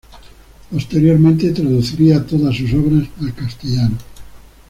Posteriormente traduciría todas sus obras al castellano.